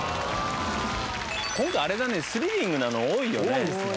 今回あれだねスリリングなの多いよね。